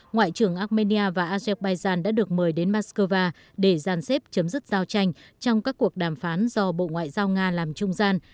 ngoại trưởng armenia và azerbaijan đã được mời đến moscow để gian xếp chấm dứt giao tranh trong các cuộc đàm phán do bộ ngoại giao nga làm trung gian